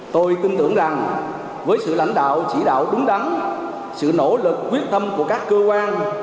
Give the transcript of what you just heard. tôi tin tưởng rằng với sự lãnh đạo chỉ đạo đúng đắn sự nỗ lực quyết tâm của các cơ quan